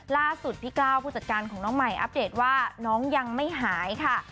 ล่าสุดพี่กล้าวผู้จัดการของน้องใหม่อัปเดตว่าน้องยังไม่หายค่ะ